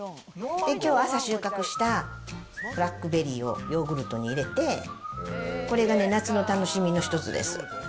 きょう朝収穫したブラックベリーをヨーグルトに入れて、これがね、夏の楽しみの一つです。